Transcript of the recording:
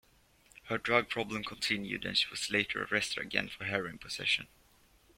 Her drug problem continued and she was later arrested again for heroin possession.